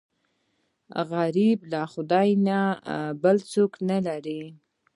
غریب له خدای نه بل څوک نه لري